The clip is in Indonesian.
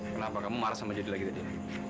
kenapa kamu marah sama jadi lagi tadi